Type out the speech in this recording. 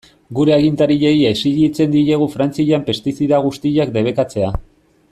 Gure agintariei exijitzen diegu Frantzian pestizida guztiak debekatzea.